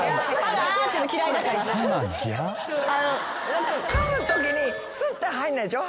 何かかむときにスッと入んないでしょ？